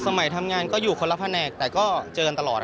ทำงานก็อยู่คนละแผนกแต่ก็เจอกันตลอด